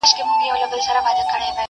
خپل گرېوان او خپل وجدان ته ملامت سو!.